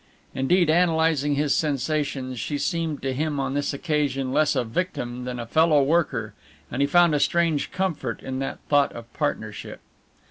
Indeed, analysing his sensations she seemed to him on this occasion less a victim than a fellow worker and he found a strange comfort in that thought of partnership.